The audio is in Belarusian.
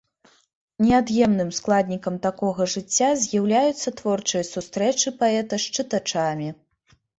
Неад'емным складнікам такога жыцця з'яўляюцца творчыя сустрэчы паэта з чытачамі.